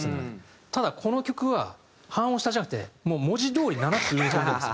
ただこの曲は半音下じゃなくてもう文字どおり７つ上に飛んでるんですよ。